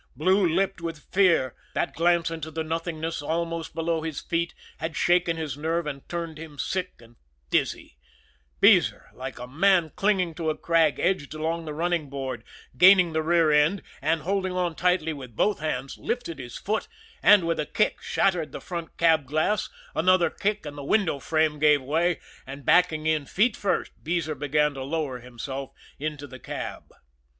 Blue lipped with fear that glance into the nothingness almost below his feet had shaken his nerve and turned him sick and dizzy Beezer, like a man clinging to a crag, edged along the running board, gained the rear end, and, holding on tightly with both hands, lifted his foot, and with a kick shattered the front cab glass; another kick and the window frame gave way, and, backing in feet first, Beezer began to lower himself into the cab.